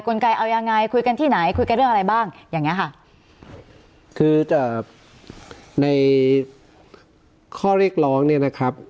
เอายังไงคุยกันที่ไหนคุยกันเรื่องอะไรบ้างอย่างเงี้ยค่ะคือจะในข้อเรียกร้องเนี่ยนะครับ